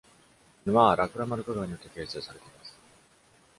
沼はラクラマルカ川によって形成されています。